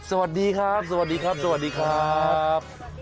สวัสดีครับ